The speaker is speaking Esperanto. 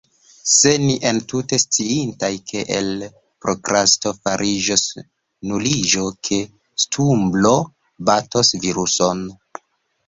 Se ni estus sciintaj ke el prokrasto fariĝos nuliĝo, ke stumblo batos viruson…